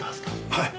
はい。